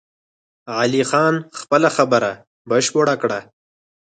علي خان خپله خبره بشپړه کړه!